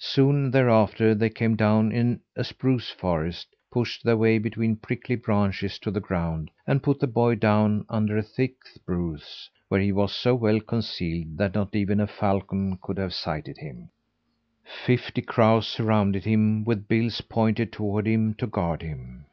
Soon thereafter they came down in a spruce forest, pushed their way between prickly branches to the ground, and put the boy down under a thick spruce, where he was so well concealed that not even a falcon could have sighted him. Fifty crows surrounded him, with bills pointed toward him to guard him.